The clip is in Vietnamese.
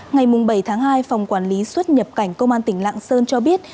ngày bảy tháng hai phòng quản lý xuất nhập cảnh công an tỉnh lạng sơn cho biết